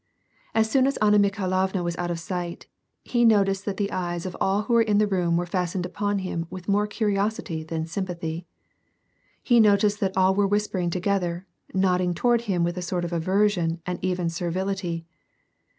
As soon as Anna Mikhailovna was out of sight, he noticed that the eyes of all who were in the room were fastened upon him with more curiosity than sympathy. He noticed that all were whisper ing together, nodding toward him with a sort of aversion and even servility.